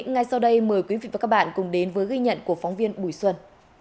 ngay sau đây mời quý vị và các bạn cùng đến với ghi nhận của phóng viên bùi xuân